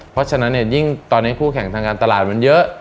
เพราะฉะนั้นเนี่ยยิ่งตอนนี้คู่แข่งทางการตลาดมันเยอะ